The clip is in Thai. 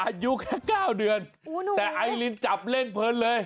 อายุแค่๙เดือนแต่ไอลินจับเล่นเพลินเลย